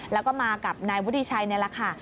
แล้วก็มากับนายวุฒิชัยนี่แหละค่ะ